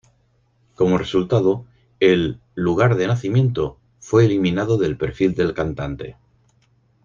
Como resultado, el "Lugar de nacimiento" fue eliminado del perfil del cantante.